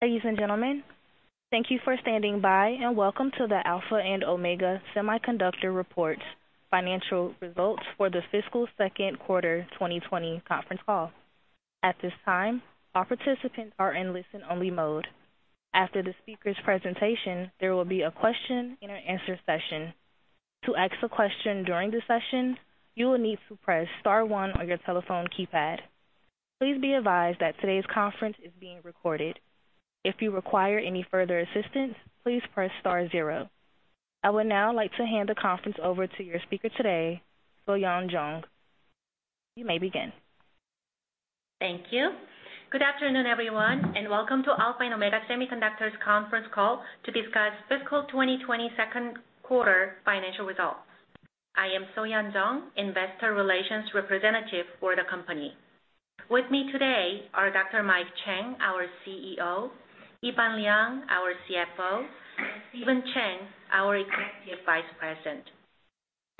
Ladies and gentlemen, thank you for standing by, and welcome to the Alpha and Omega Semiconductor Report Financial Results for the fiscal second quarter 2020 conference call. At this time, all participants are in listen-only mode. After the speaker's presentation, there will be a question and an answer session. To ask a question during the session, you will need to press star one on your telephone keypad. Please be advised that today's conference is being recorded. If you require any further assistance, please press star zero. I would now like to hand the conference over to your speaker today, So-Yeon Jeong. You may begin. Thank you. Good afternoon, everyone, and welcome to Alpha and Omega Semiconductor's conference call to discuss fiscal 2020 second quarter financial results. I am So-Yeon Jeong, Investor Relations Representative for the company. With me today are Dr. Mike Chang, our CEO, Yifan Liang, our CFO, and Stephen Chang, our Executive Vice President.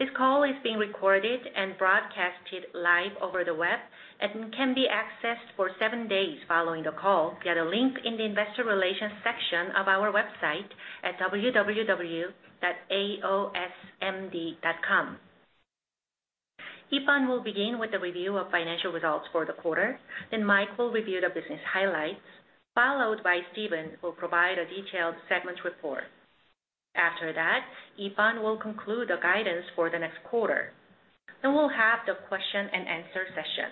This call is being recorded and broadcasted live over the web and can be accessed for seven days following the call via the link in the investor relations section of our website at www.aosmd.com. Yifan will begin with a review of financial results for the quarter, then Mike will review the business highlights, followed by Stephen, who will provide a detailed segment report. After that, Yifan will conclude the guidance for the next quarter. We'll have the question and answer session.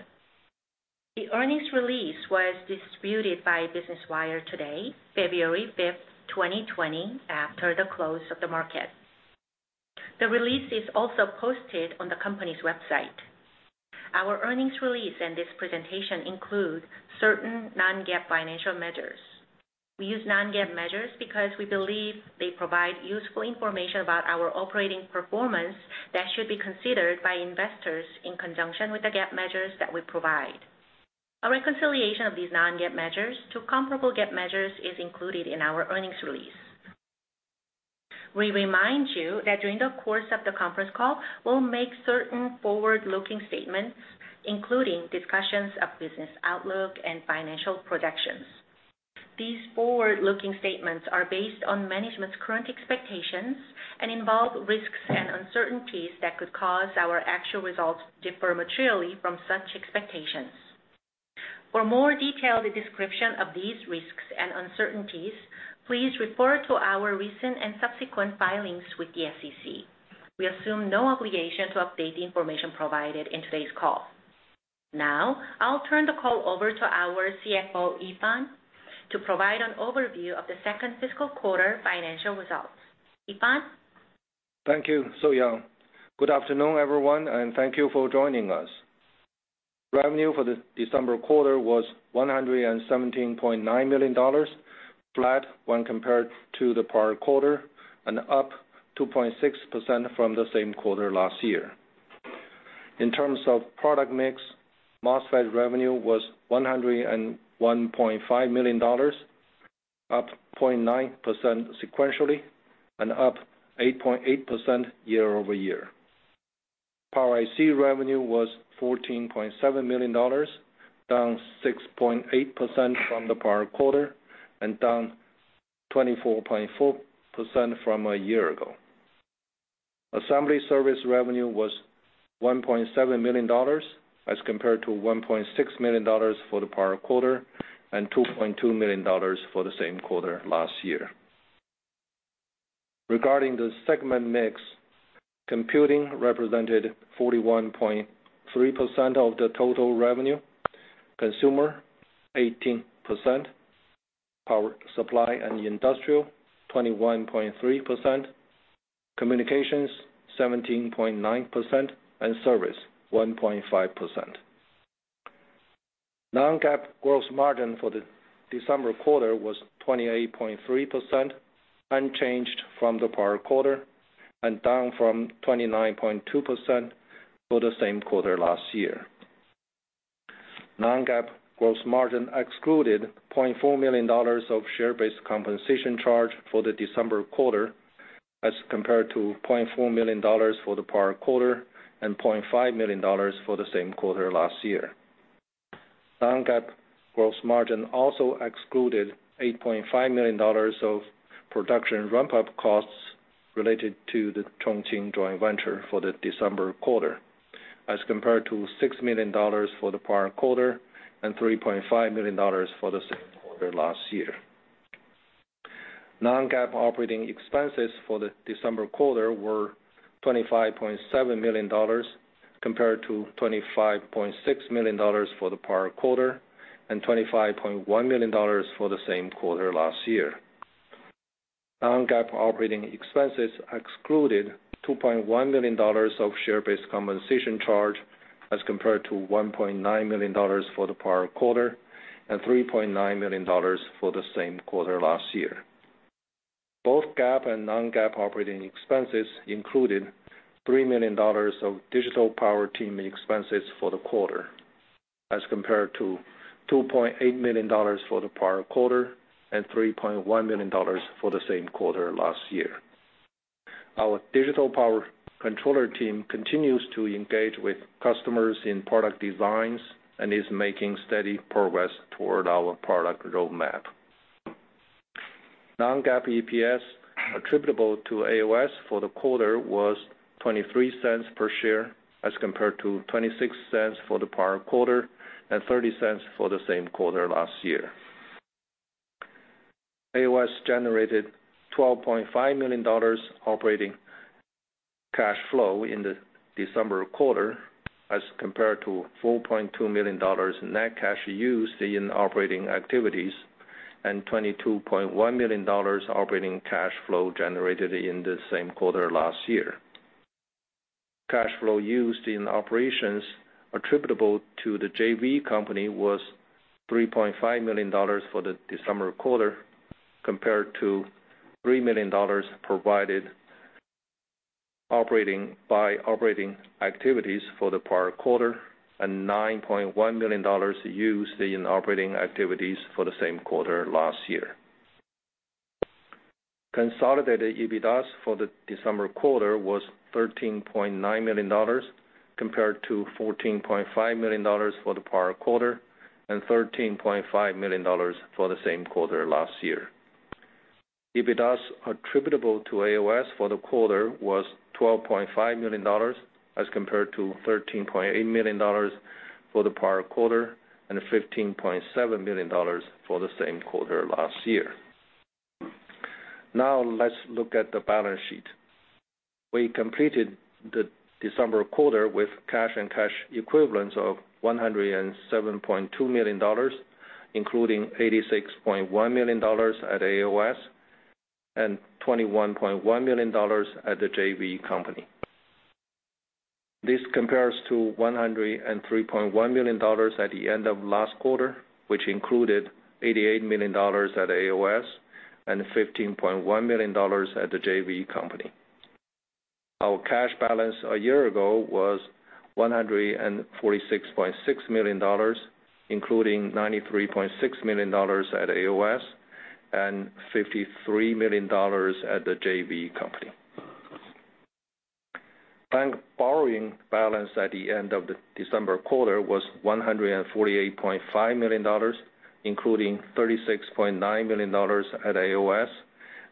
The earnings release was distributed by Business Wire today, February 5th, 2020, after the close of the market. The release is also posted on the company's website. Our earnings release and this presentation include certain non-GAAP financial measures. We use non-GAAP measures because we believe they provide useful information about our operating performance that should be considered by investors in conjunction with the GAAP measures that we provide. A reconciliation of these non-GAAP measures to comparable GAAP measures is included in our earnings release. We remind you that during the course of the conference call, we'll make certain forward-looking statements, including discussions of business outlook and financial projections. These forward-looking statements are based on management's current expectations and involve risks and uncertainties that could cause our actual results to differ materially from such expectations. For more detailed description of these risks and uncertainties, please refer to our recent and subsequent filings with the SEC. We assume no obligation to update the information provided in today's call. I'll turn the call over to our CFO, Yifan, to provide an overview of the second fiscal quarter financial results. Yifan? Thank you, So-Yeon. Good afternoon, everyone, and thank you for joining us. Revenue for the December quarter was $117.9 million, flat when compared to the prior quarter and up 2.6% from the same quarter last year. In terms of product mix, MOSFET revenue was $101.5 million, up 0.9% sequentially and up 8.8% year-over-year. Power IC revenue was $14.7 million, down 6.8% from the prior quarter and down 24.4% from a year ago. Assembly service revenue was $1.7 million as compared to $1.6 million for the prior quarter and $2.2 million for the same quarter last year. Regarding the segment mix, computing represented 41.3% of the total revenue, consumer 18%, power supply and industrial 21.3%, communications 17.9%, and service 1.5%. non-GAAP gross margin for the December quarter was 28.3%, unchanged from the prior quarter and down from 29.2% for the same quarter last year. Non-GAAP gross margin excluded $0.4 million of share-based compensation charge for the December quarter as compared to $0.4 million for the prior quarter and $0.5 million for the same quarter last year. Non-GAAP gross margin also excluded $8.5 million of production ramp-up costs related to the Chongqing joint venture for the December quarter as compared to $6 million for the prior quarter and $3.5 million for the same quarter last year. Non-GAAP operating expenses for the December quarter were $25.7 million compared to $25.6 million for the prior quarter and $25.1 million for the same quarter last year. Non-GAAP operating expenses excluded $2.1 million of share-based compensation charge as compared to $1.9 million for the prior quarter and $3.9 million for the same quarter last year. Both GAAP and non-GAAP operating expenses included $3 million of digital power team expenses for the quarter as compared to $2.8 million for the prior quarter and $3.1 million for the same quarter last year. Our digital power controller team continues to engage with customers in product designs and is making steady progress toward our product roadmap. Non-GAAP EPS attributable to AOS for the quarter was $0.23 per share, as compared to $0.26 for the prior quarter and $0.30 for the same quarter last year. AOS generated $12.5 million operating cash flow in the December quarter as compared to $4.2 million net cash used in operating activities and $22.1 million operating cash flow generated in the same quarter last year. Cash flow used in operations attributable to the JV company was $3.5 million for the December quarter, compared to $3 million provided by operating activities for the prior quarter and $9.1 million used in operating activities for the same quarter last year. Consolidated EBITDA for the December quarter was $13.9 million, compared to $14.5 million for the prior quarter and $13.5 million for the same quarter last year. EBITDA attributable to AOS for the quarter was $12.5 million as compared to $13.8 million for the prior quarter and $15.7 million for the same quarter last year. Let's look at the balance sheet. We completed the December quarter with cash and cash equivalents of $107.2 million, including $86.1 million at AOS and $21.1 million at the JV company. This compares to $103.1 million at the end of last quarter, which included $88 million at AOS and $15.1 million at the JV company. Our cash balance a year ago was $146.6 million, including $93.6 million at AOS and $53 million at the JV company. Bank borrowing balance at the end of the December quarter was $148.5 million, including $36.9 million at AOS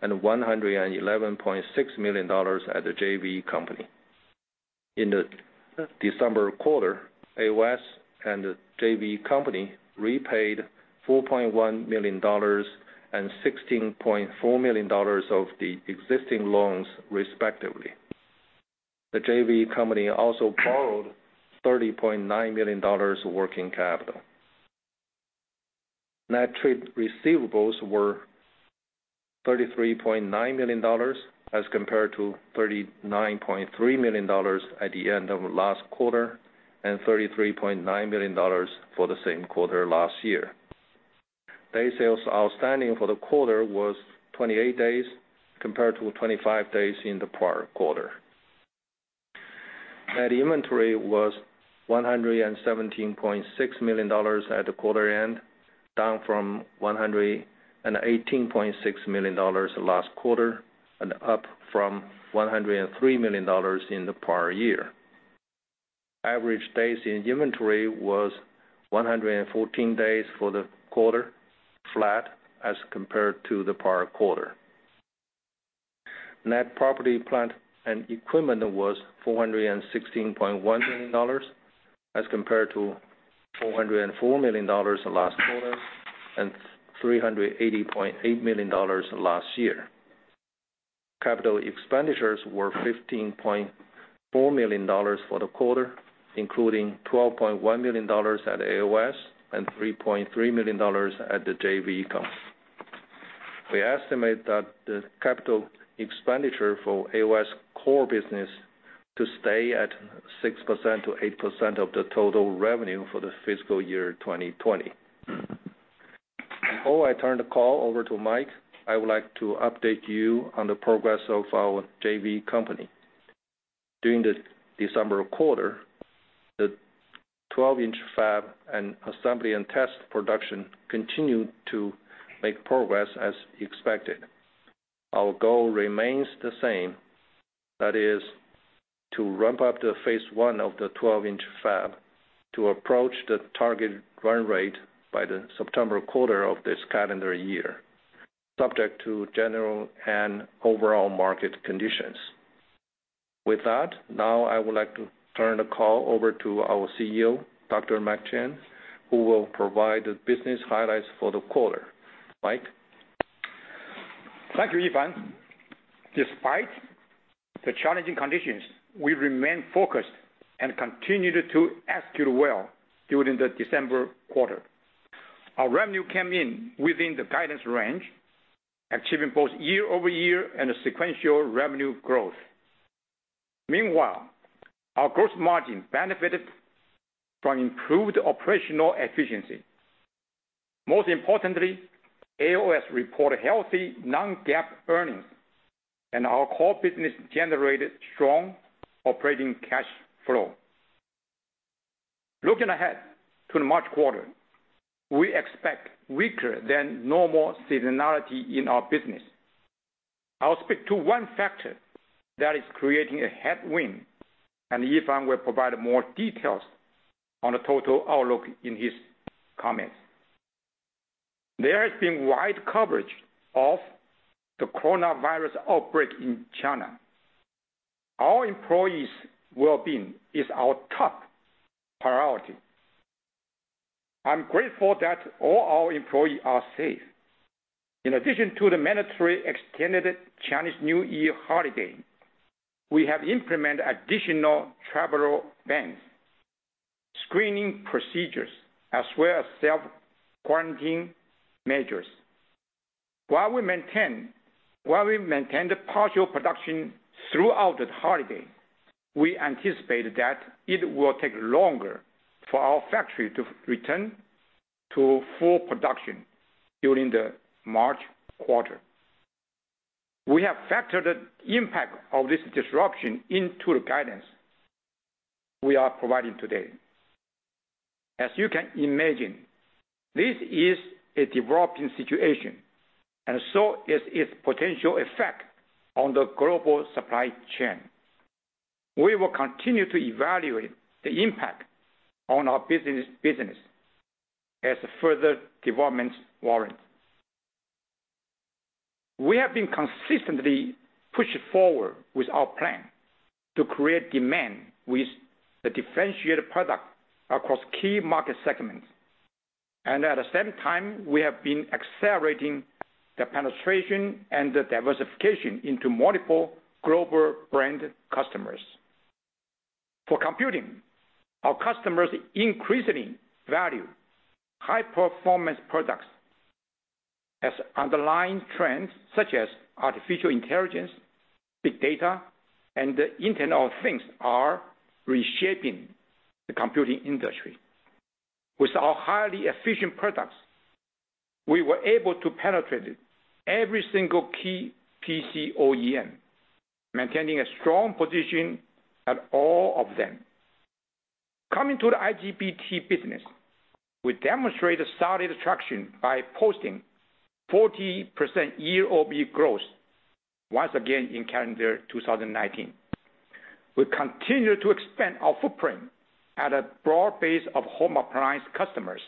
and $111.6 million at the JV company. In the December quarter, AOS and the JV company repaid $4.1 million and $16.4 million of the existing loans respectively. The JV company also borrowed $30.9 million working capital. Net trade receivables were $33.9 million as compared to $39.3 million at the end of last quarter and $33.9 million for the same quarter last year. Day sales outstanding for the quarter was 28 days, compared to 25 days in the prior quarter. Net inventory was $117.6 million at the quarter end, down from $118.6 million last quarter and up from $103 million in the prior year. Average days in inventory was 114 days for the quarter, flat as compared to the prior quarter. Net property plant and equipment was $416.1 million as compared to $404 million last quarter and $380.8 million last year. Capital expenditures were $15.4 million for the quarter, including $12.1 million at AOS and $3.3 million at the JV company. We estimate that the capital expenditure for AOS core business to stay at 6%-8% of the total revenue for the fiscal year 2020. Before I turn the call over to Mike, I would like to update you on the progress of our JV company. During the December quarter, the 12-in fab and assembly and test production continued to make progress as expected. Our goal remains the same. That is to ramp up the phase one of the 12-in fab to approach the target run rate by the September quarter of this calendar year, subject to general and overall market conditions. With that, now I would like to turn the call over to our CEO, Dr. Mike Chang, who will provide the business highlights for the quarter. Mike? Thank you, Yifan. Despite the challenging conditions, we remained focused and continued to execute well during the December quarter. Our revenue came in within the guidance range, achieving both year-over-year and sequential revenue growth. Meanwhile, our gross margin benefited from improved operational efficiency. Most importantly, AOS reported healthy non-GAAP earnings and our core business generated strong operating cash flow. Looking ahead to the March quarter, we expect weaker than normal seasonality in our business. I'll speak to one factor that is creating a headwind, and Yifan will provide more details on the total outlook in his comments. There has been wide coverage of the coronavirus outbreak in China. Our employees' wellbeing is our top priority. I'm grateful that all our employees are safe. In addition to the mandatory extended Chinese New Year holiday, we have implemented additional travel bans, screening procedures, as well as self-quarantine measures. While we maintained partial production throughout the holiday, we anticipate that it will take longer for our factory to return to full production during the March quarter. We have factored the impact of this disruption into the guidance we are providing today. As you can imagine, this is a developing situation, and so is its potential effect on the global supply chain. We will continue to evaluate the impact on our business as further developments warrant. We have been consistently pushing forward with our plan to create demand with a differentiated product across key market segments. At the same time, we have been accelerating the penetration and the diversification into multiple global brand customers. For computing, our customers increasingly value high-performance products as underlying trends such as artificial intelligence, big data, and the Internet of Things are reshaping the computing industry. With our highly efficient products, we were able to penetrate every single key PC OEM, maintaining a strong position at all of them. Coming to the IGBT business, we demonstrate a solid traction by posting 40% year-over-year growth once again in calendar 2019. We continue to expand our footprint at a broad base of home appliance customers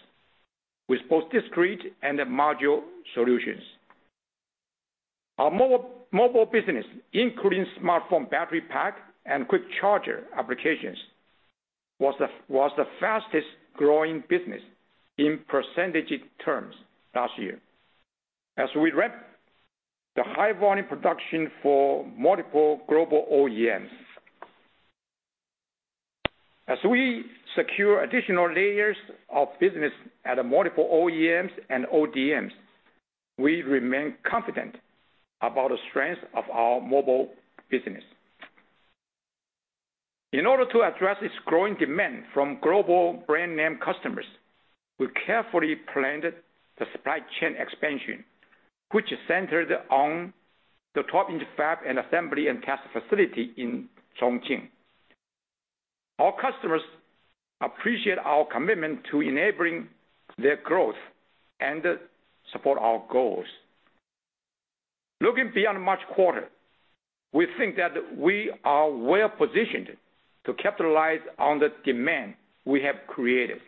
with both discrete and module solutions. Our mobile business, including smartphone, battery pack, and quick charger applications, was the fastest-growing business in percentage terms last year. As we ramp the high-volume production for multiple global OEMs. We secure additional layers of business at multiple OEMs and ODMs, we remain confident about the strength of our mobile business. In order to address this growing demand from global brand-name customers, we carefully planned the supply chain expansion, which is centered on the 12-in fab and assembly and test facility in Chongqing. Our customers appreciate our commitment to enabling their growth and support our goals. Looking beyond March quarter, we think that we are well-positioned to capitalize on the demand we have created.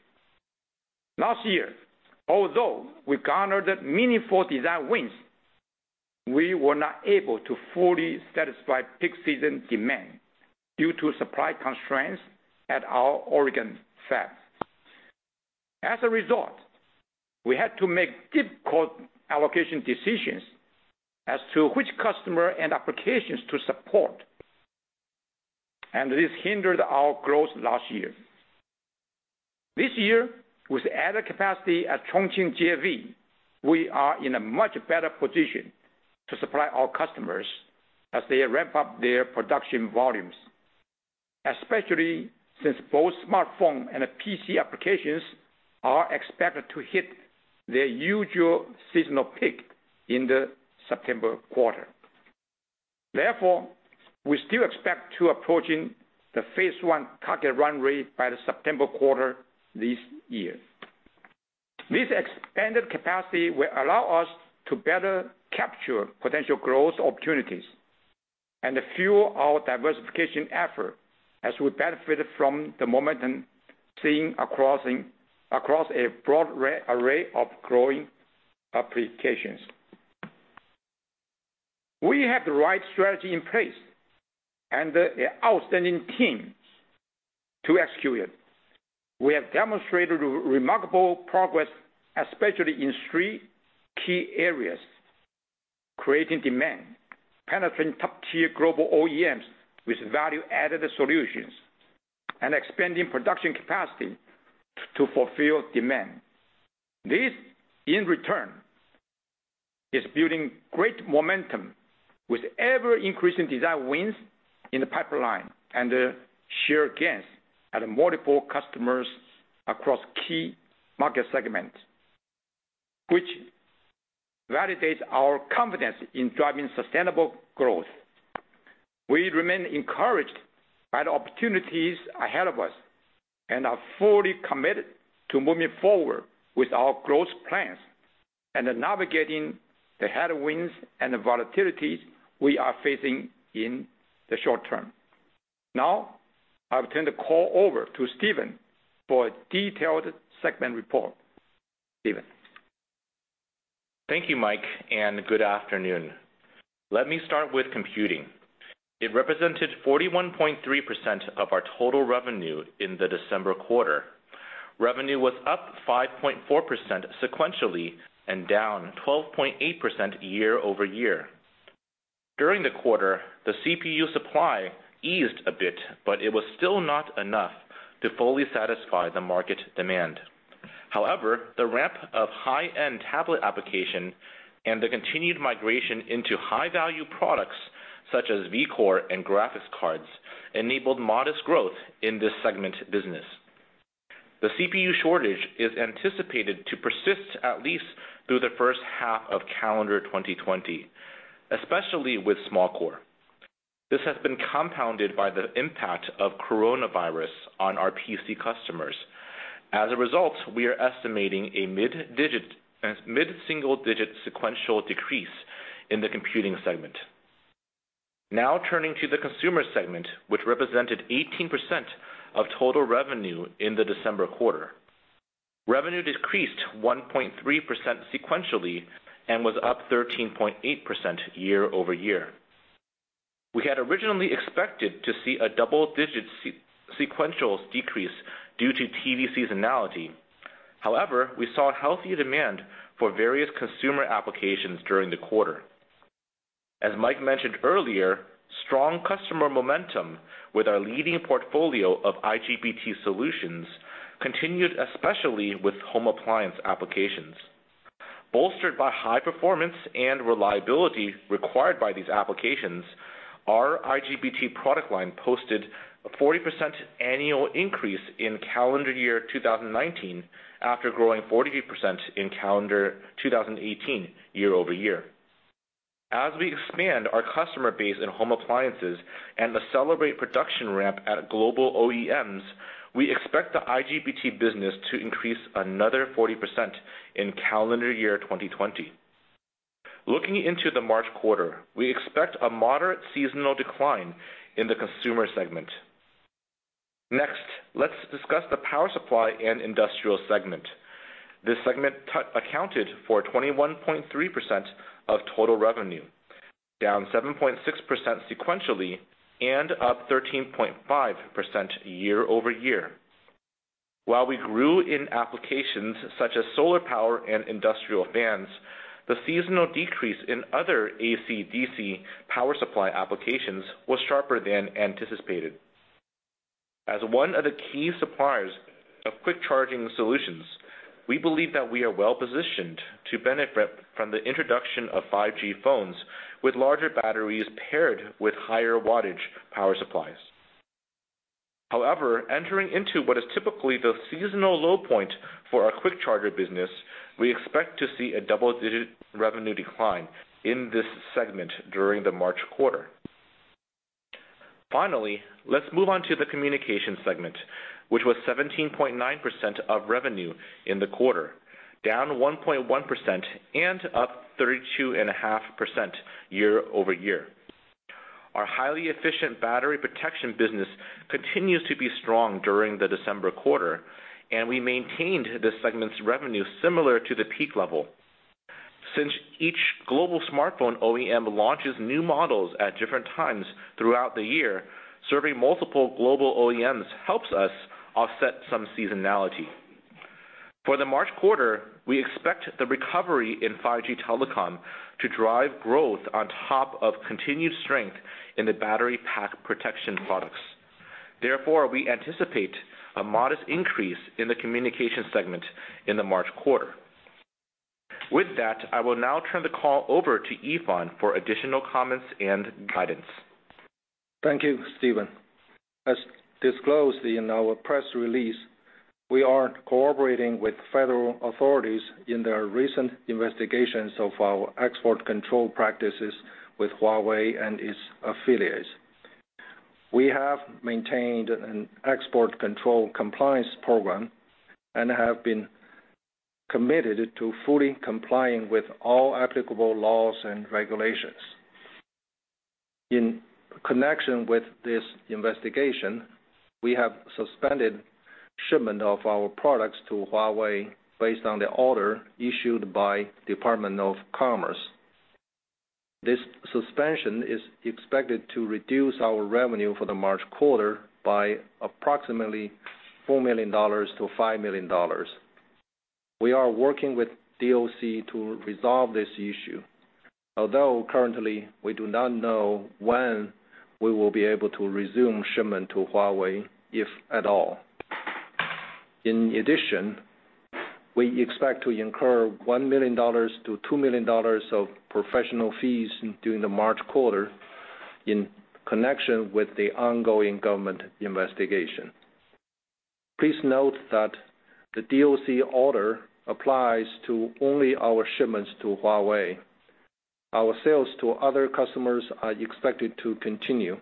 Last year, although we garnered meaningful design wins, we were not able to fully satisfy peak season demand due to supply constraints at our Oregon fab. As a result, we had to make difficult allocation decisions as to which customer and applications to support, this hindered our growth last year. This year, with added capacity at Chongqing JV, we are in a much better position to supply our customers as they ramp up their production volumes. Especially since both smartphone and PC applications are expected to hit their usual seasonal peak in the September quarter. We still expect to approaching the phase one target run rate by the September quarter this year. This expanded capacity will allow us to better capture potential growth opportunities and fuel our diversification effort as we benefit from the momentum seen across a broad array of growing applications. We have the right strategy in place and the outstanding teams to execute. We have demonstrated remarkable progress, especially in three key areas: creating demand, penetrating top-tier global OEMs with value-added solutions, and expanding production capacity to fulfill demand. This, in return, is building great momentum with ever-increasing design wins in the pipeline and share gains at multiple customers across key market segments. Which validates our confidence in driving sustainable growth. We remain encouraged by the opportunities ahead of us and are fully committed to moving forward with our growth plans and navigating the headwinds and the volatilities we are facing in the short term. Now, I will turn the call over to Stephen for a detailed segment report. Stephen. Thank you, Mike, and good afternoon. Let me start with computing. It represented 41.3% of our total revenue in the December quarter. Revenue was up 5.4% sequentially, and down 12.8% year-over-year. During the quarter, the CPU supply eased a bit, but it was still not enough to fully satisfy the market demand. However, the ramp of high-end tablet application and the continued migration into high-value products such as Vcore and graphics cards, enabled modest growth in this segment business. The CPU shortage is anticipated to persist at least through the first half of calendar 2020, especially with small core. This has been compounded by the impact of coronavirus on our PC customers. As a result, we are estimating a mid-single digit sequential decrease in the computing segment. Now turning to the consumer segment, which represented 18% of total revenue in the December quarter. Revenue decreased 1.3% sequentially and was up 13.8% year-over-year. We had originally expected to see a double-digit sequential decrease due to TV seasonality. We saw healthier demand for various consumer applications during the quarter. As Mike mentioned earlier, strong customer momentum with our leading portfolio of IGBT solutions continued, especially with home appliance applications. Bolstered by high performance and reliability required by these applications, our IGBT product line posted a 40% annual increase in calendar year 2019, after growing 43% in calendar 2018 year-over-year. As we expand our customer base in home appliances and accelerate production ramp at global OEMs, we expect the IGBT business to increase another 40% in calendar year 2020. Looking into the March quarter, we expect a moderate seasonal decline in the consumer segment. Let's discuss the power supply and industrial segment. This segment accounted for 21.3% of total revenue, down 7.6% sequentially and up 13.5% year-over-year. While we grew in applications such as solar power and industrial fans, the seasonal decrease in other AC-DC power supply applications was sharper than anticipated. As one of the key suppliers of quick charging solutions, we believe that we are well-positioned to benefit from the introduction of 5G phones with larger batteries paired with higher wattage power supplies. However, entering into what is typically the seasonal low point for our quick charger business, we expect to see a double-digit revenue decline in this segment during the March quarter. Finally, let's move on to the communication segment, which was 17.9% of revenue in the quarter, down 1.1% and up 32.5% year-over-year. Our highly efficient battery protection business continues to be strong during the December quarter, and we maintained this segment's revenue similar to the peak level. Since each global smartphone OEM launches new models at different times throughout the year, serving multiple global OEMs helps us offset some seasonality. For the March quarter, we expect the recovery in 5G telecom to drive growth on top of continued strength in the battery pack protection products. Therefore, we anticipate a modest increase in the communication segment in the March quarter. With that, I will now turn the call over to Yifan for additional comments and guidance. Thank you, Stephen. As disclosed in our press release, we are cooperating with federal authorities in their recent investigations of our export control practices with Huawei and its affiliates. We have maintained an export control compliance program and have been committed to fully complying with all applicable laws and regulations. In connection with this investigation, we have suspended shipment of our products to Huawei based on the order issued by Department of Commerce. This suspension is expected to reduce our revenue for the March quarter by approximately $4 million-$5 million. We are working with DOC to resolve this issue. Currently, we do not know when we will be able to resume shipment to Huawei, if at all. In addition, we expect to incur $1 million-$2 million of professional fees during the March quarter in connection with the ongoing government investigation. Please note that the DOC order applies to only our shipments to Huawei. Our sales to other customers are expected to continue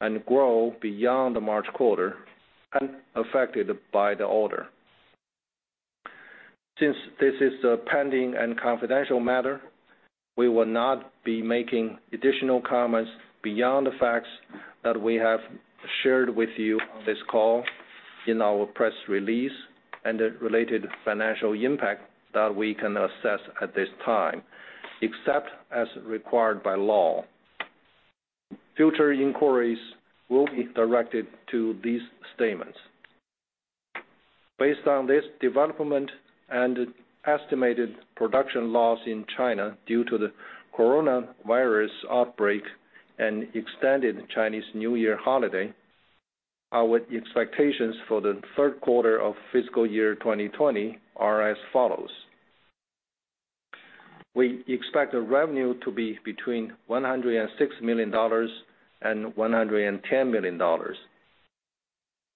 and grow beyond the March quarter, unaffected by the order. Since this is a pending and confidential matter, we will not be making additional comments beyond the facts that we have shared with you on this call, in our press release, and the related financial impact that we can assess at this time, except as required by law. Future inquiries will be directed to these statements. Based on this development and estimated production loss in China due to the coronavirus outbreak and extended Chinese New Year holiday, our expectations for the third quarter of fiscal year 2020 are as follows. We expect the revenue to be between $106 million and $110 million.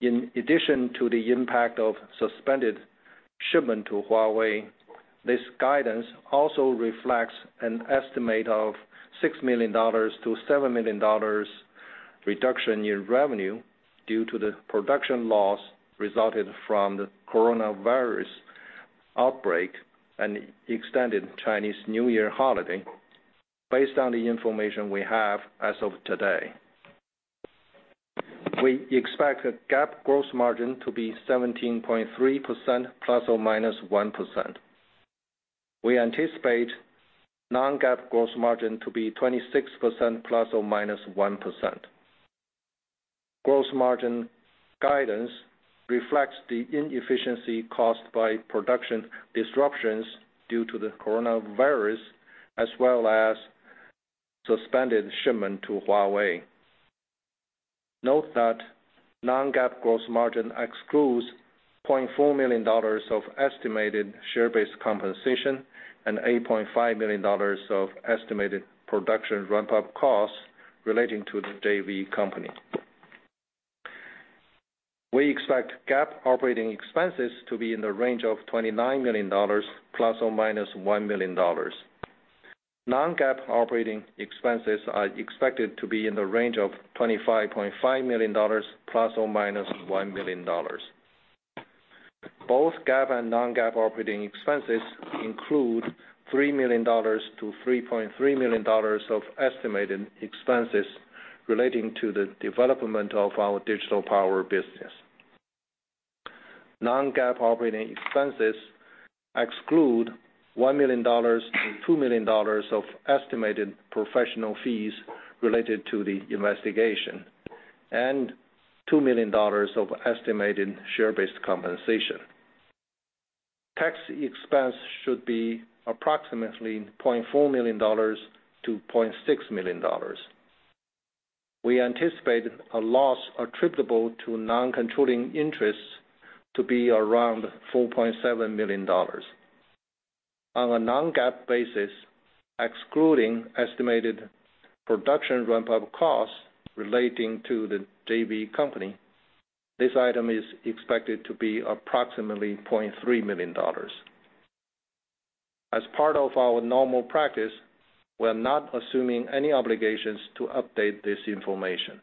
In addition to the impact of suspended shipment to Huawei, this guidance also reflects an estimate of $6 million-$7 million reduction in revenue due to the production loss resulted from the coronavirus outbreak and extended Chinese New Year holiday based on the information we have as of today. We expect a GAAP gross margin to be 17.3%, ±1%. We anticipate non-GAAP gross margin to be 26%, ±1%. Gross margin guidance reflects the inefficiency caused by production disruptions due to the coronavirus, as well as suspended shipment to Huawei. Note that non-GAAP gross margin excludes $0.4 million of estimated share-based compensation and $8.5 million of estimated production ramp-up costs relating to the JV company. We expect GAAP operating expenses to be in the range of $29 million ± $1 million. Non-GAAP operating expenses are expected to be in the range of $25.5 million ± $1 million. Both GAAP and non-GAAP operating expenses include $3 million-$3.3 million of estimated expenses relating to the development of our digital power business. Non-GAAP operating expenses exclude $1 million-$2 million of estimated professional fees related to the investigation, and $2 million of estimated share-based compensation. Tax expense should be approximately $0.4 million-$0.6 million. We anticipate a loss attributable to non-controlling interests to be around $4.7 million. On a non-GAAP basis, excluding estimated production ramp-up costs relating to the JV company, this item is expected to be approximately $0.3 million. As part of our normal practice, we're not assuming any obligations to update this information.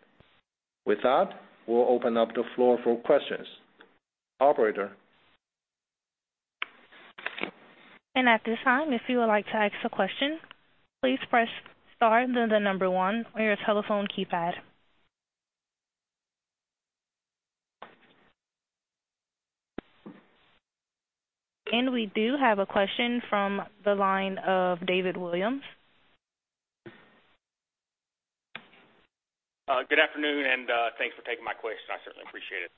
With that, we'll open up the floor for questions. Operator? At this time, if you would like to ask a question, please press star then the number one on your telephone keypad. We do have a question from the line of David Williams. Good afternoon, and thanks for taking my question. I certainly appreciate it.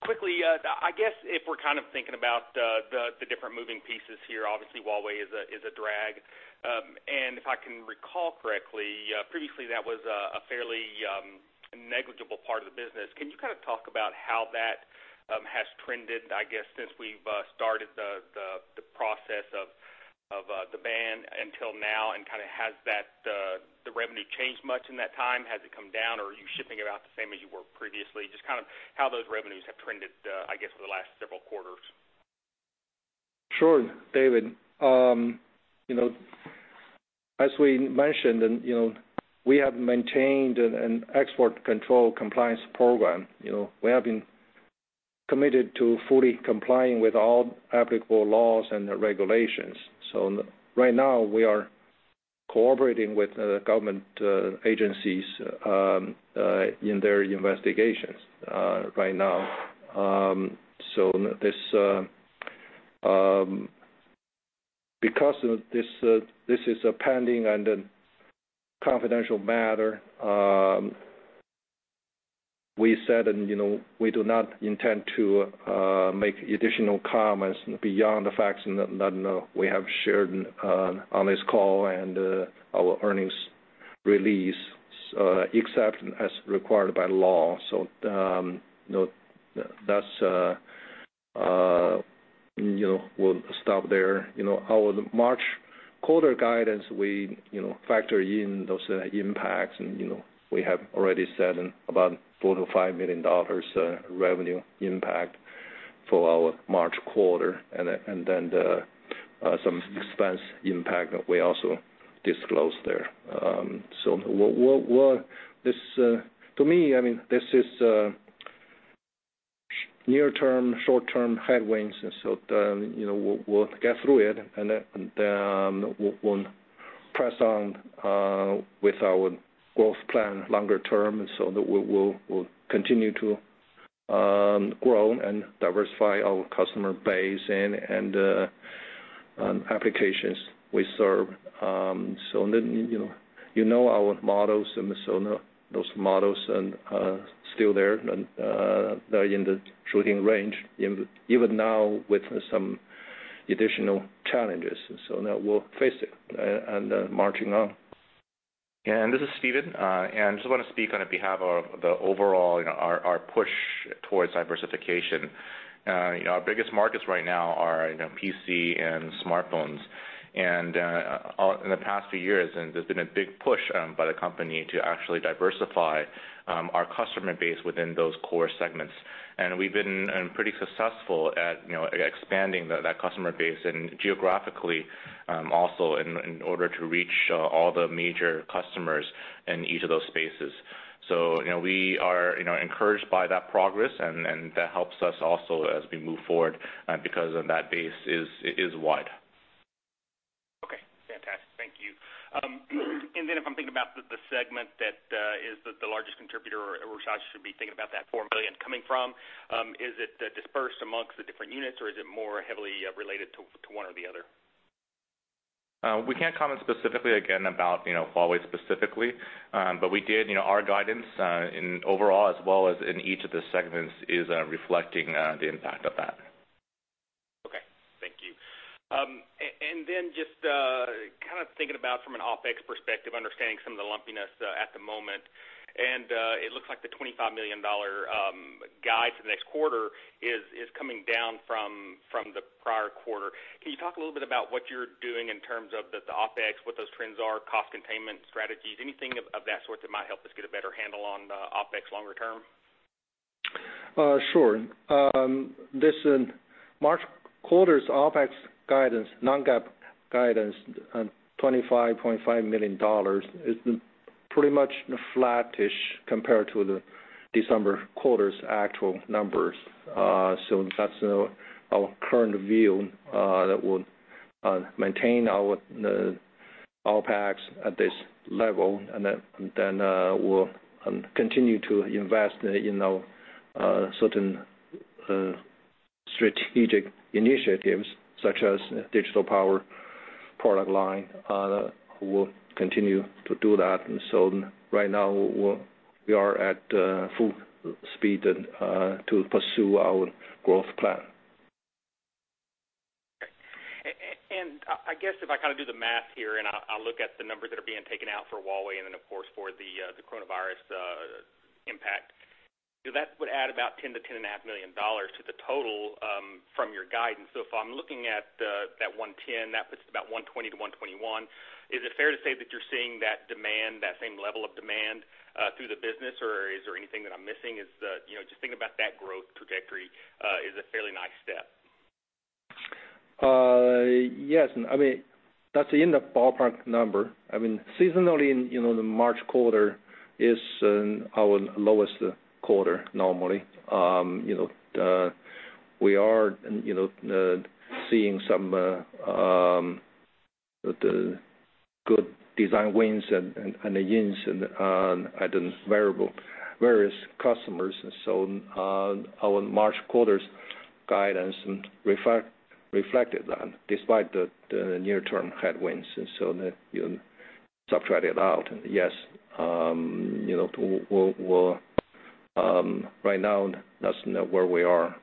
Quickly, I guess if we're kind of thinking about the different moving pieces here, obviously Huawei is a drag. If I can recall correctly, previously that was a fairly negligible part of the business. Can you kind of talk about how that has trended, I guess, since we've started the process of the ban until now and kind of has the revenue changed much in that time? Has it come down or are you shipping about the same as you were previously? Just kind of how those revenues have trended, I guess, for the last several quarters? Sure, David. As we mentioned, we have maintained an export control compliance program. We have been committed to fully complying with all applicable laws and regulations. Right now, we are cooperating with the government agencies in their investigations right now. Because this is a pending and confidential matter, we said we do not intend to make additional comments beyond the facts that we have shared on this call and our earnings release, except as required by law. We'll stop there. Our March quarter guidance, we factor in those impacts, and we have already said about $4 million-$5 million revenue impact for our March quarter. Some expense impact we also disclosed there. To me, this is near-term, short-term headwinds. We'll get through it. We'll press on with our growth plan longer term so that we'll continue to grow and diversify our customer base and the applications we serve. You know our models. Those models are still there. They're in the shooting range even now with some additional challenges. Now we'll face it and marching on. This is Stephen. I just want to speak on behalf of the overall, our push towards diversification. Our biggest markets right now are PC and smartphones. In the past few years, there's been a big push by the company to actually diversify our customer base within those core segments. We've been pretty successful at expanding that customer base geographically also in order to reach all the major customers in each of those spaces. We are encouraged by that progress, and that helps us also as we move forward because of that base is wide. Okay. Fantastic. Thank you. If I'm thinking about the segment that is the largest contributor, or we should actually be thinking about that $4 million coming from, is it dispersed amongst the different units, or is it more heavily related to one or the other? We can't comment specifically, again, about Huawei specifically. Our guidance overall, as well as in each of the segments, is reflecting the impact of that. Okay. Thank you. Just thinking about from an OpEx perspective, understanding some of the lumpiness at the moment, and it looks like the $25 million guide for the next quarter is coming down from the prior quarter. Can you talk a little bit about what you're doing in terms of the OpEx, what those trends are, cost containment strategies, anything of that sort that might help us get a better handle on the OpEx longer term? Sure. This March quarter's OpEx guidance, non-GAAP guidance, $25.5 million, is pretty much flattish compared to the December quarter's actual numbers. That's our current view, that we'll maintain our OpEx at this level, and then we'll continue to invest in certain strategic initiatives, such as digital power product line. We'll continue to do that. Right now, we are at full speed to pursue our growth plan. I guess if I do the math here, and I look at the numbers that are being taken out for Huawei and then of course for the coronavirus impact, that would add about $10 million-$10.5 million to the total from your guidance. If I'm looking at that 110, that puts it about 120-121. Is it fair to say that you're seeing that same level of demand through the business, or is there anything that I'm missing? Just thinking about that growth trajectory is a fairly nice step? Yes. That's in the ballpark number. Seasonally, the March quarter is our lowest quarter normally. We are seeing some good design wins and the gains at the various customers. Our March quarter's guidance reflected that despite the near-term headwinds. You subtract it out. Yes. Right now, that's where we are.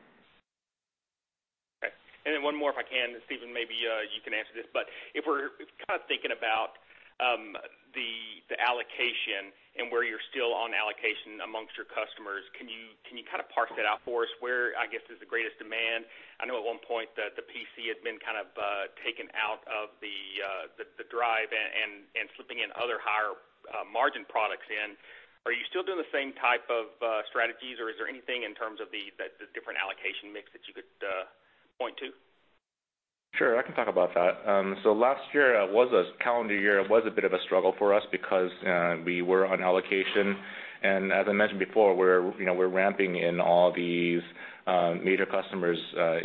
Okay. One more, if I can, and Stephen, maybe you can answer this. If we're thinking about the allocation and where you're still on allocation amongst your customers, can you parse that out for us where, I guess, is the greatest demand? I know at one point that the PC had been taken out of the drive and slipping in other higher margin products in. Are you still doing the same type of strategies, or is there anything in terms of the different allocation mix that you could point to? Sure. I can talk about that. Last year, calendar year, was a bit of a struggle for us because we were on allocation. As I mentioned before, we're ramping in all these major customers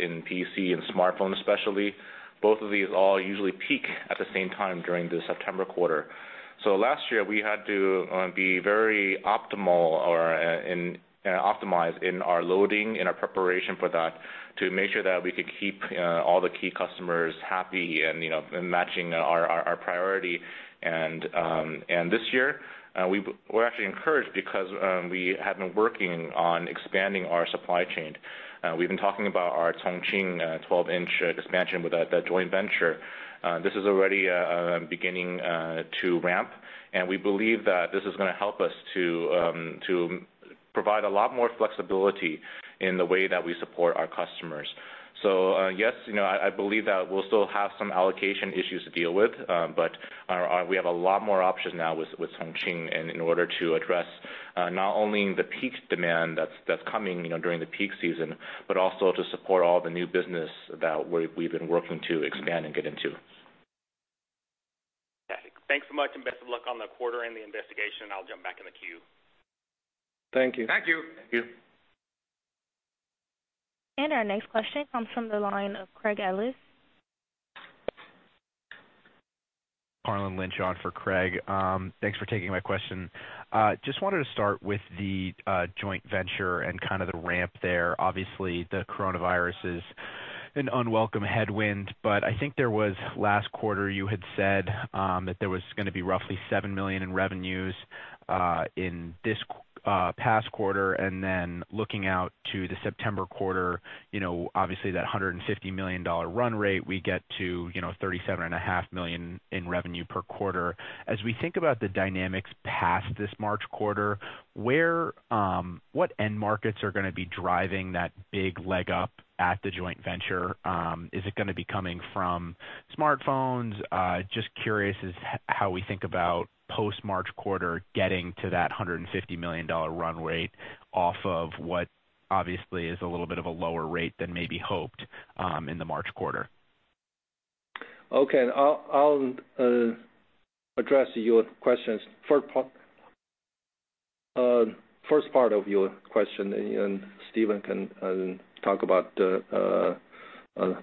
in PC and smartphone especially. Both of these all usually peak at the same time during the September quarter. Last year, we had to be very optimal and optimized in our loading, in our preparation for that to make sure that we could keep all the key customers happy and matching our priority. This year, we're actually encouraged because we have been working on expanding our supply chain. We've been talking about our Chongqing 12-in expansion with that joint venture. This is already beginning to ramp, and we believe that this is going to help us to provide a lot more flexibility in the way that we support our customers. Yes, I believe that we'll still have some allocation issues to deal with, but we have a lot more options now with Chongqing in order to address not only the peak demand that's coming during the peak season, but also to support all the new business that we've been working to expand and get into. Got it. Thanks so much, and best of luck on the quarter and the investigation. I'll jump back in the queue. Thank you. Thank you. Thank you. Our next question comes from the line of Craig Ellis. Harlan Sur on for Craig. Thanks for taking my question. I just wanted to start with the joint venture and the ramp there. Obviously, the coronavirus is an unwelcome headwind, but I think there was last quarter, you had said that there was going to be roughly $7 million in revenues, in this past quarter. Looking out to the September quarter, obviously that $150 million run rate, we get to $37.5 million in revenue per quarter. As we think about the dynamics past this March quarter, what end markets are going to be driving that big leg up at the joint venture? Is it going to be coming from smartphones? I am just curious as how we think about post-March quarter getting to that $150 million run rate off of what obviously is a little bit of a lower rate than may be hoped, in the March quarter. Okay. I'll address your questions. First part of your question, Stephen can talk about the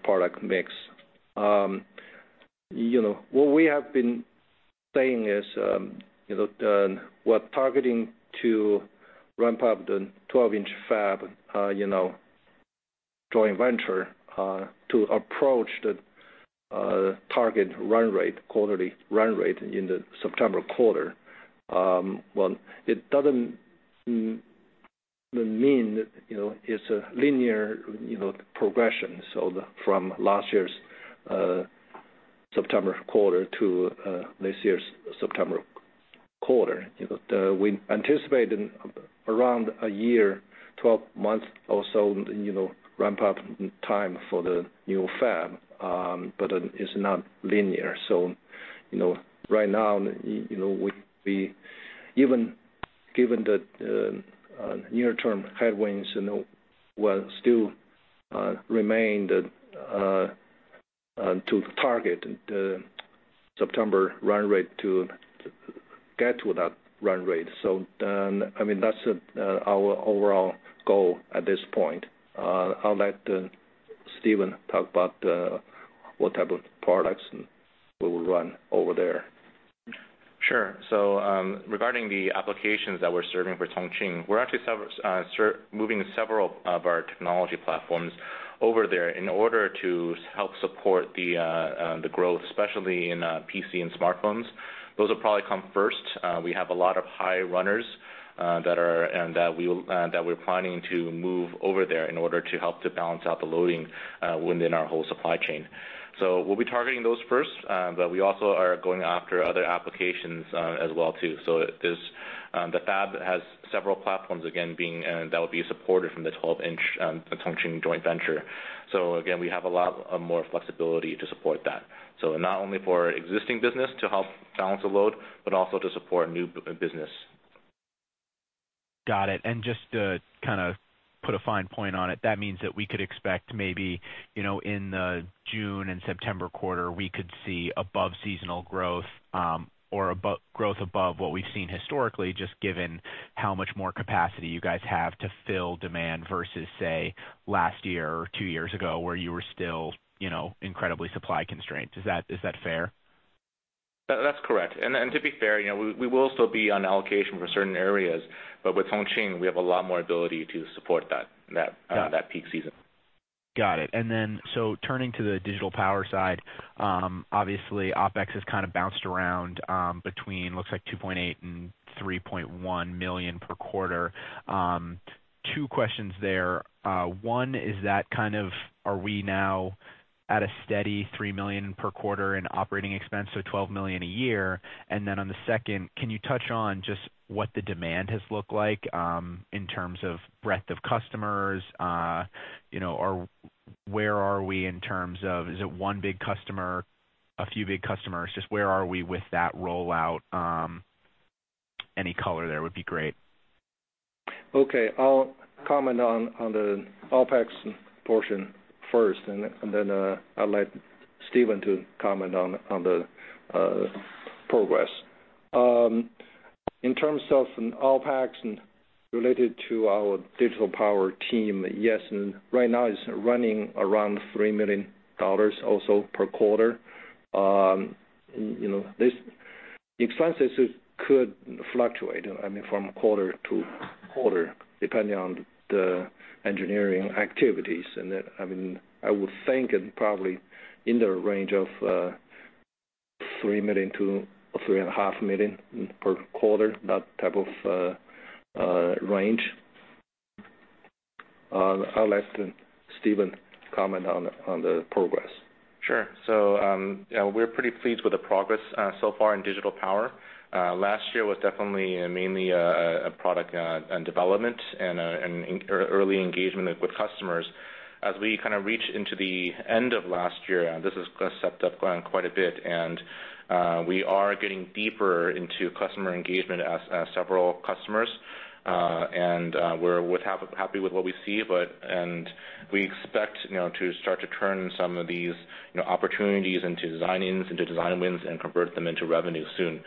product mix. What we have been saying is, we're targeting to ramp up the 12-in fab joint venture, to approach the target run rate, quarterly run rate in the September quarter. Well, it doesn't mean that it's a linear progression from last year's September quarter to this year's September quarter. We anticipated around a year, 12 months or so ramp-up time for the new fab, it's not linear. Right now, even given the near-term headwinds will still remain to target the September run rate to get to that run rate. That's our overall goal at this point. I'll let Stephen talk about what type of products we will run over there. Sure. Regarding the applications that we're serving for Chongqing, we're actually moving several of our technology platforms over there in order to help support the growth, especially in PC and smartphones. Those will probably come first. We have a lot of high runners that we're planning to move over there in order to help to balance out the loading within our whole supply chain. We'll be targeting those first, but we also are going after other applications as well too. The fab has several platforms, again, that will be supported from the 12-in Chongqing joint venture. Again, we have a lot more flexibility to support that. Not only for existing business to help balance the load, but also to support new business. Got it. Just to put a fine point on it, that means that we could expect maybe in the June and September quarter, we could see above seasonal growth, or growth above what we've seen historically, just given how much more capacity you guys have to fill demand versus say, last year or two years ago where you were still incredibly supply constrained. Is that fair? That's correct. To be fair, we will still be on allocation for certain areas, but with Chongqing, we have a lot more ability to support that peak season. Got it. Turning to the digital power side, obviously, OpEx has bounced around between, looks like $2.8 million and $3.1 million per quarter. Two questions there. One is that are we now at a steady $3 million per quarter in operating expense, so $12 million a year? On the second, can you touch on just what the demand has looked like, in terms of breadth of customers? Where are we in terms of, is it one big customer, a few big customers? Just where are we with that rollout? Any color there would be great. Okay. I'll comment on the OpEx portion first, and then I'll let Stephen comment on the progress. In terms of OpEx related to our digital power team, yes, right now it's running around $3 million also per quarter. These expenses could fluctuate from quarter to quarter depending on the engineering activities. I would think probably in the range of $3 million-$3.5 million per quarter, that type of range. I'll let Stephen comment on the progress. Sure. We're pretty pleased with the progress so far in digital power. Last year was definitely mainly a product in development and early engagement with customers. As we reached into the end of last year, this has stepped up quite a bit, and we are getting deeper into customer engagement as several customers, and we're happy with what we see. We expect to start to turn some of these opportunities into design wins and convert them into revenue soon.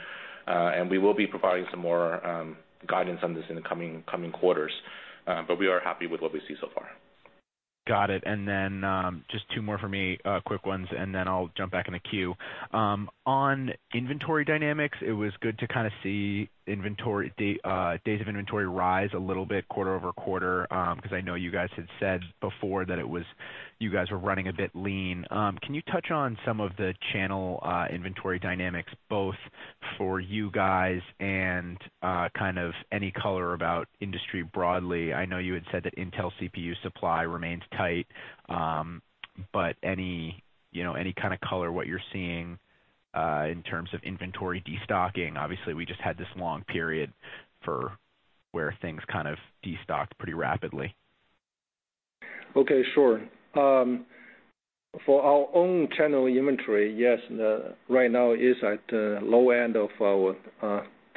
We will be providing some more guidance on this in the coming quarters. We are happy with what we see so far. Got it. Then just two more for me, quick ones, and then I'll jump back in the queue. On inventory dynamics, it was good to see days of inventory rise a little bit quarter-over-quarter, because I know you guys had said before that you guys were running a bit lean. Can you touch on some of the channel inventory dynamics, both for you guys and any color about industry broadly? I know you had said that Intel CPU supply remains tight. Any kind of color what you're seeing in terms of inventory destocking? Obviously, we just had this long period where things kind of destocked pretty rapidly? Okay, sure. For our own channel inventory, yes. Right now is at the low end of our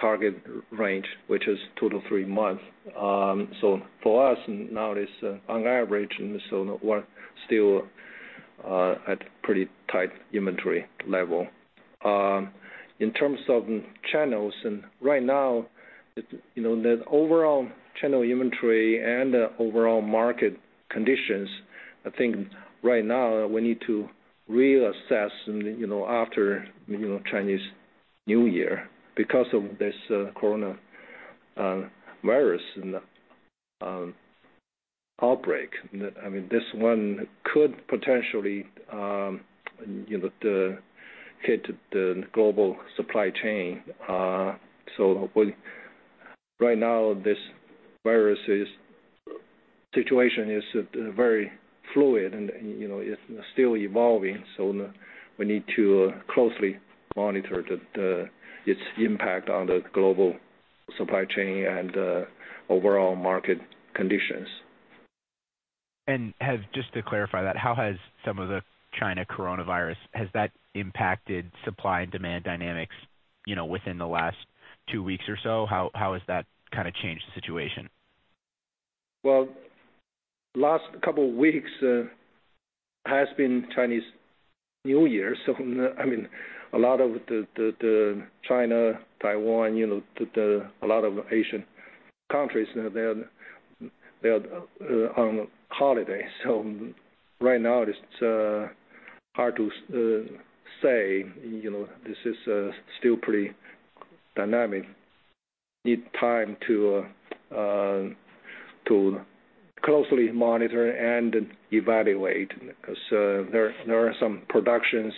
target range, which is two to three months. For us now it is on average, and so we're still at pretty tight inventory level. In terms of channels, right now, the overall channel inventory and the overall market conditions, I think right now we need to reassess after Chinese New Year because of this coronavirus outbreak. This one could potentially hit the global supply chain. Right now, this virus' situation is very fluid and is still evolving, so we need to closely monitor its impact on the global supply chain and overall market conditions. Just to clarify that, how has some of the China coronavirus impacted supply and demand dynamics within the last two weeks or so? How has that changed the situation? Well, last couple weeks has been Chinese New Year. A lot of the China, Taiwan, a lot of Asian countries, they are on holiday. Right now it's hard to say. This is still pretty dynamic. Need time to closely monitor and evaluate, because there are some productions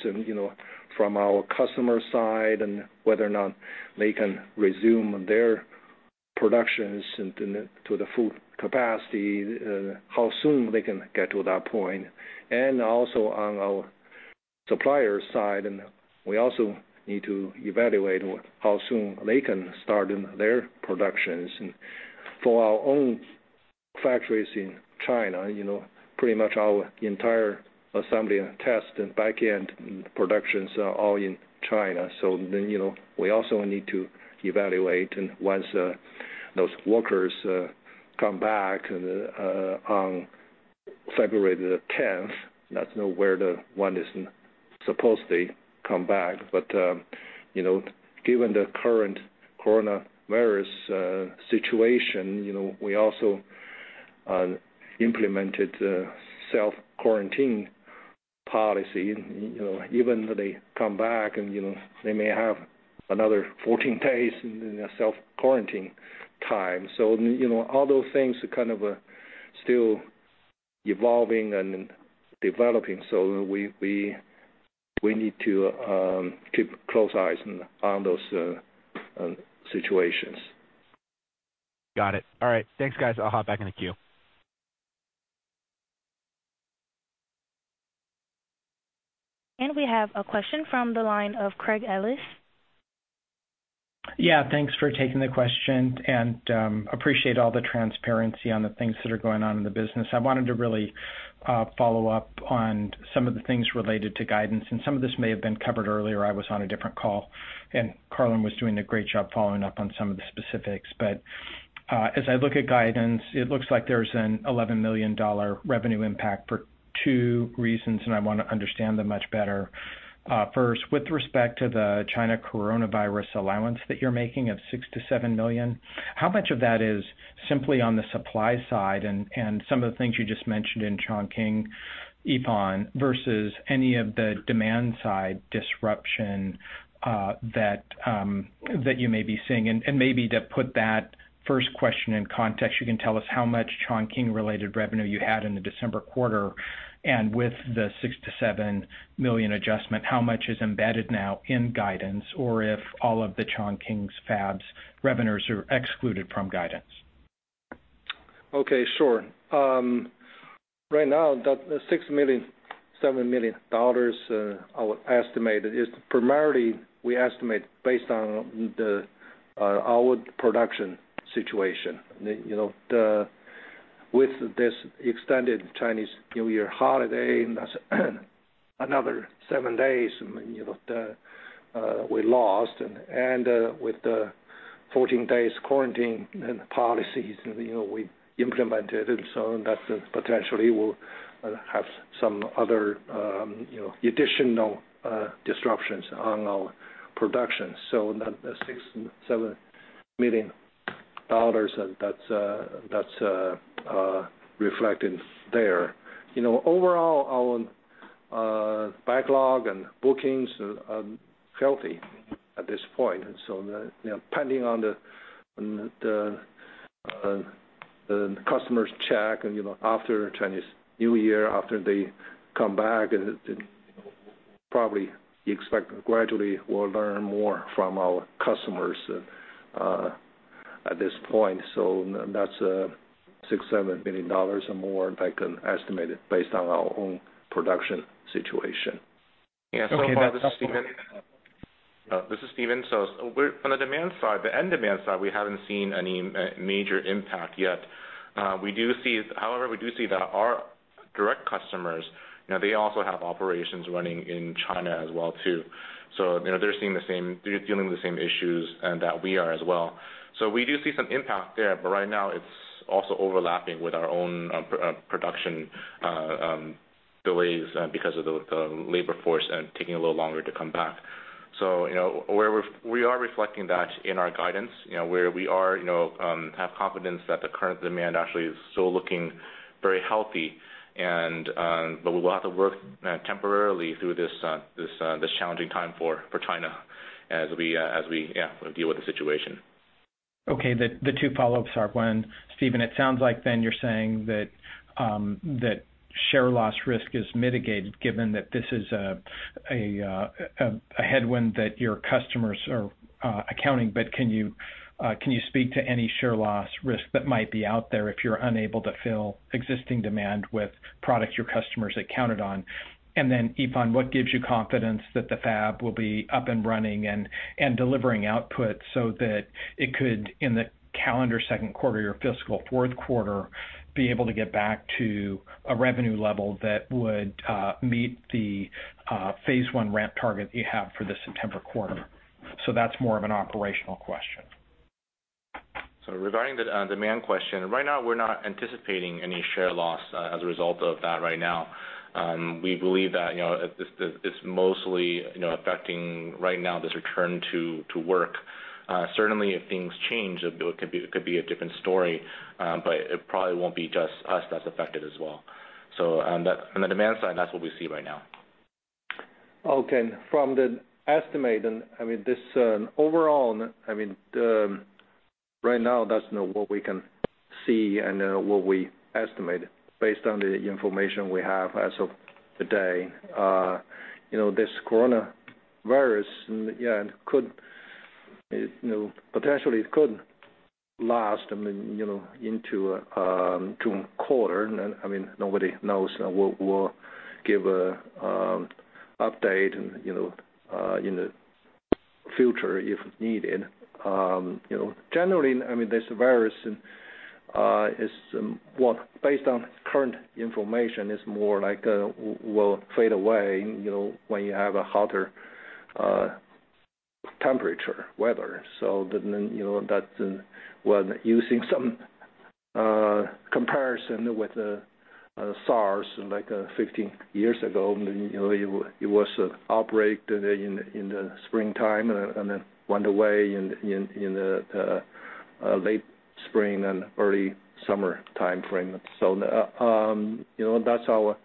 from our customer side and whether or not they can resume their productions to the full capacity, how soon they can get to that point. Also on our supplier side, we also need to evaluate how soon they can start their productions. For our own factories in China, pretty much our entire assembly and test and back-end productions are all in China. Then, we also need to evaluate once those workers come back on February the 10th. That's when one is supposed to come back. Given the current coronavirus situation, we also implemented a self-quarantine policy. Even they come back, they may have another 14 days in their self-quarantine time. All those things are kind of still evolving and developing. We need to keep close eyes on those situations. Got it. All right. Thanks, guys. I'll hop back in the queue. We have a question from the line of Craig Ellis. Yeah, thanks for taking the question, and appreciate all the transparency on the things that are going on in the business. I wanted to really follow up on some of the things related to guidance, and some of this may have been covered earlier. I was on a different call. Harlan was doing a great job following up on some of the specifics. As I look at guidance, it looks like there is an $11 million revenue impact for two reasons, and I want to understand them much better. First, with respect to the China coronavirus allowance that you are making of $6 million-$7 million, how much of that is simply on the supply side and some of the things you just mentioned in Chongqing, Yifan, versus any of the demand-side disruption that you may be seeing? Maybe to put that first question in context, you can tell us how much Chongqing-related revenue you had in the December quarter, and with the $6 million-$7 million adjustment, how much is embedded now in guidance, or if all of the Chongqing's fabs revenues are excluded from guidance? Okay, sure. Right now, the $6 million-$7 million I would estimate is primarily we estimate based on our production situation. With this extended Chinese New Year holiday, that's another seven days that we lost. With the 14 days quarantine and the policies we implemented and so on, that potentially will have some other additional disruptions on our production. That $6 million-$7 million, that's reflected there. Overall, our backlog and bookings are healthy at this point. Depending on the customer's check after Chinese New Year, after they come back, probably you expect gradually we'll learn more from our customers at this point. That's $6 million-$7 million or more I can estimate based on our own production situation. This is Stephen. On the end demand side, we haven't seen any major impact yet. We do see that our direct customers, they also have operations running in China as well too. They're dealing with the same issues that we are as well. We do see some impact there, but right now it's also overlapping with our own production delays because of the labor force taking a little longer to come back. We are reflecting that in our guidance, where we have confidence that the current demand actually is still looking very healthy. We will have to work temporarily through this challenging time for China as we deal with the situation. Okay. The two follow-ups are, one, Stephen, it sounds like then you're saying that share loss risk is mitigated given that this is a headwind that your customers are accounting, but can you speak to any share loss risk that might be out there if you're unable to fill existing demand with products your customers accounted on? Yifan, what gives you confidence that the fab will be up and running and delivering output so that it could, in the calendar second quarter or fiscal fourth quarter, be able to get back to a revenue level that would meet the phase one ramp target you have for the September quarter? That's more of an operational question. Regarding the demand question, right now we're not anticipating any share loss as a result of that right now. We believe that it's mostly affecting right now this return to work. Certainly if things change, it could be a different story, but it probably won't be just us that's affected as well. On the demand side, that's what we see right now. Okay. From the estimate, this overall, right now that's not what we can see and what we estimated based on the information we have as of today. This coronavirus, potentially it could last into June quarter. Nobody knows. We'll give an update in the future if needed. Generally, this virus is what, based on current information, is more like will fade away when you have a hotter temperature weather. That's when using some comparison with SARS, like 15 years ago, it was an outbreak in the springtime and then went away in the late spring and early summer timeframe. That's our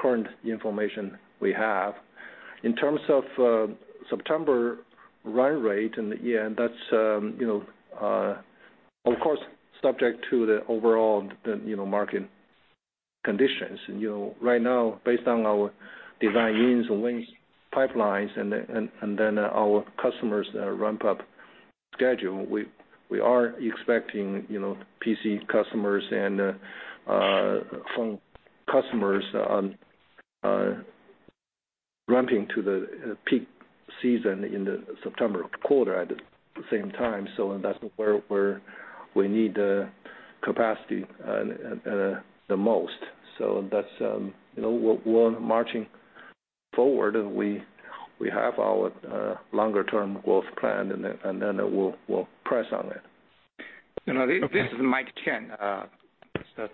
current information we have. In terms of September run rate, and that's of course subject to the overall market conditions. Right now, based on our design wins pipelines and then our customers' ramp-up schedule, we are expecting PC customers and phone customers on ramping to the peak season in the September quarter at the same time. That's where we need the capacity the most. We're marching forward, and we have our longer-term growth plan, and then we'll press on it. This is Mike Chang.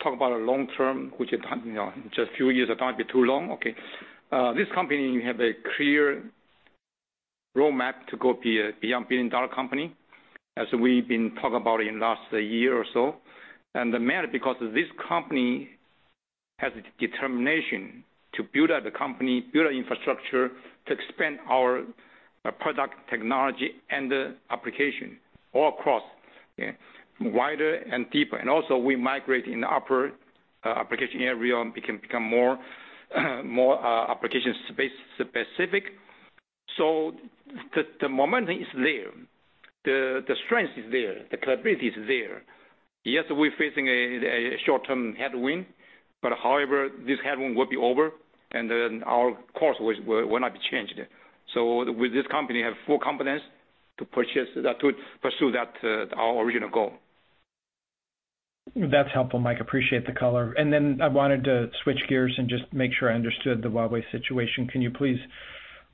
Talk about a long term, which in just few years, it might be too long. Okay. This company have a clear roadmap to go beyond billion-dollar company, as we've been talking about in last year or so. The main because this company has the determination to build out the company, build the infrastructure to expand our product technology and the application all across, wider and deeper. Also we migrate in the upper application area and become more application-specific. The momentum is there. The strength is there, the capability is there. Yes, we're facing a short-term headwind, but however, this headwind will be over, and then our course will not be changed. With this company, we have full confidence to pursue our original goal. That's helpful, Mike, appreciate the color. I wanted to switch gears and just make sure I understood the Huawei situation. Can you please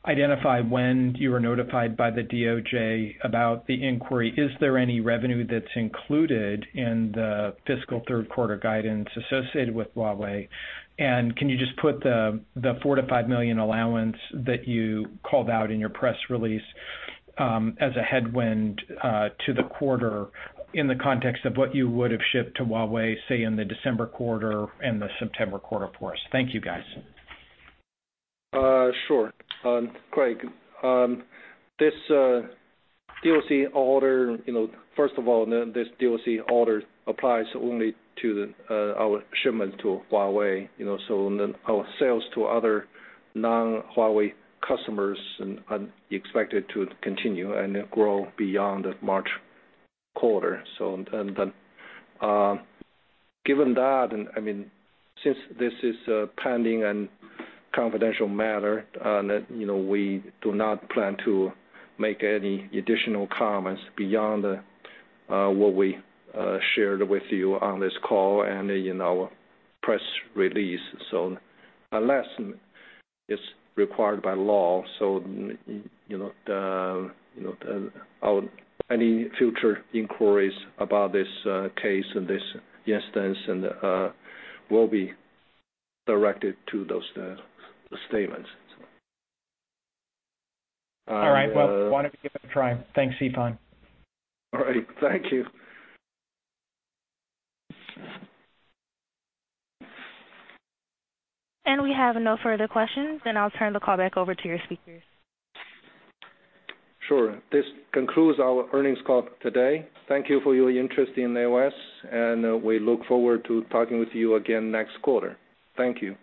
identify when you were notified by the DOJ about the inquiry? Is there any revenue that's included in the fiscal third quarter guidance associated with Huawei? Can you just put the $4 million-$5 million allowance that you called out in your press release, as a headwind to the quarter in the context of what you would have shipped to Huawei, say, in the December quarter and the September quarter for us? Thank you, guys. Sure. Craig, first of all, this DOC order applies only to our shipments to Huawei. Our sales to other non-Huawei customers are expected to continue and grow beyond the March quarter. Given that, since this is a pending and confidential matter, we do not plan to make any additional comments beyond what we shared with you on this call and in our press release. Unless it's required by law, any future inquiries about this case and this instance will be directed to those statements. All right. Well, I wanted to give it a try. Thanks, Yifan. All right. Thank you. We have no further questions, and I'll turn the call back over to your speakers. Sure. This concludes our earnings call today. Thank you for your interest in AOS, and we look forward to talking with you again next quarter. Thank you.